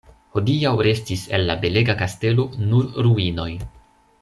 Hodiaŭ restis el la belega kastelo nur ruinoj.